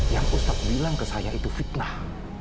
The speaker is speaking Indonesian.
yang ustadz bilang ke saya itu fitnah